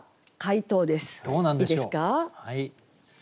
いいですか？